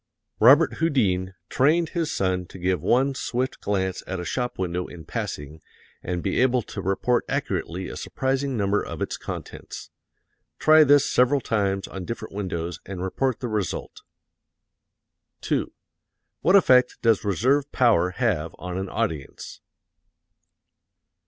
Robert Houdin trained his son to give one swift glance at a shop window in passing and be able to report accurately a surprising number of its contents. Try this several times on different windows and report the result. 2. What effect does reserve power have on an audience?